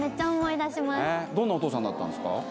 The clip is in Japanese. どんなお父さんだったんですか？